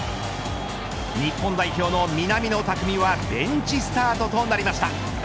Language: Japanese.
日本代表の南野拓実はベンチスタートとなりました。